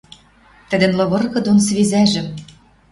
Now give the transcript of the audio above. Тӹдӹн лывыргы дон свезӓжӹм.